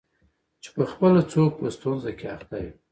چي پخپله څوک په ستونزه کي اخته وي